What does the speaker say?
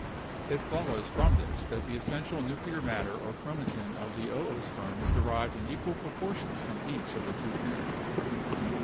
It follows from this that the essential nuclear matter or chromatin of the oosperm is derived in equal proportions from each of the two parents.